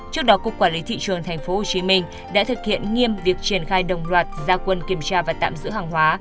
trước đó cục quản lý thị trường tp hcm đã thực hiện nghiêm việc triển khai đồng loạt gia quân kiểm tra và tạm giữ hàng hóa